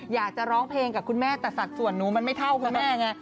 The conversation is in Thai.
อยากจะร้องเพลงกับคุณแม่แต่สัดส่วนหนูมันไม่เท่าคุณแม่ไง